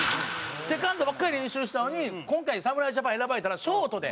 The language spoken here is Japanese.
セカンドばっかり練習してたのに今回侍ジャパン選ばれたらショートで。